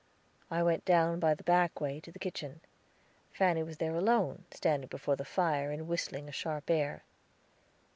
I went down by the back way, to the kitchen; Fanny was there alone, standing before the fire, and whistling a sharp air.